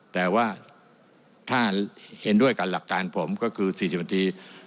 แต่ว่าถ้าเห็นด้วยกับหลักการผมก็คือ๔๐นาที